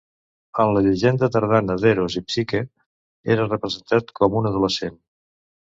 En la llegenda tardana d'Eros i Psique era representat com un adolescent.